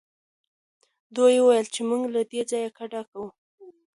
دوی وویل چې موږ له دې ځایه کډه کوو.